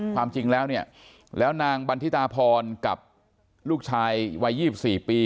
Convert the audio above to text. ความจริงแล้วนางบันทิตาพรกับลูกชายวัย๒๔ปี